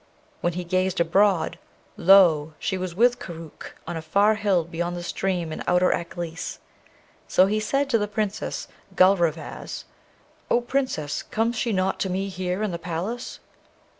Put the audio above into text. When he gazed abroad, lo! she was with Koorookh, on a far hill beyond the stream in outer Aklis. So he said to the Princess Gulrevaz, 'O Princess, comes she not to me here in the palace?'